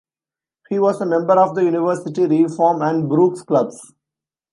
He was a member of the University, Reform, and Brooks's Clubs.